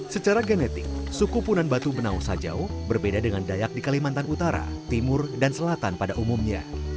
secara genetik suku punan batu benau sajau berbeda dengan dayak di kalimantan utara timur dan selatan pada umumnya